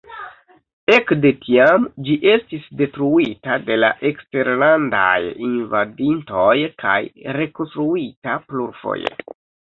Ekde tiam ĝi estis detruita de la eksterlandaj invadintoj kaj rekonstruita plurfoje.